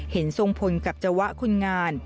ทรงพลกับจวะคนงาน